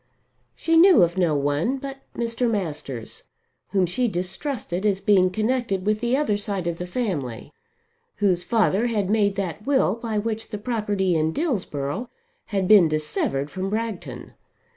She knew of no one but Mr. Masters whom she distrusted as being connected with the other side of the family, whose father had made that will by which the property in Dillsborough had been dissevered from Bragton.